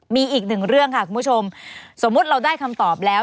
มีอีกหนึ่งเรื่องค่ะคุณผู้ชมสมมุติเราได้คำตอบแล้ว